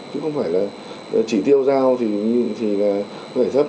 chứ không phải là chỉ tiêu giao thì là có thể thấp